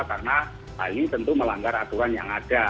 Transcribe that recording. karena hal ini tentu melanggar aturan yang ada